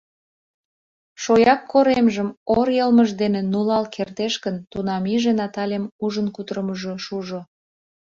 Шояк коремжым ор йылмыж дене нулал кертеш гын, тунам иже Наталем ужын кутырымыжо шужо!